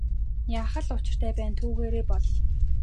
Яах л учиртай байна түүгээрээ бол.